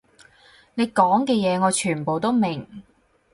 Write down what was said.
你講嘅嘢我全部都明